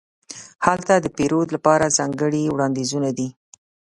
هلته د پیرود لپاره ځانګړې وړاندیزونه دي.